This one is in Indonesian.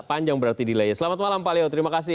panjang berarti delay selamat malam pak leo terima kasih